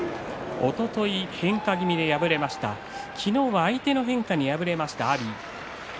おととい変化気味で敗れました昨日は相手の変化に敗れました阿炎。